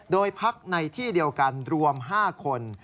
โดยพักในที่เดียวกันรวม๕คน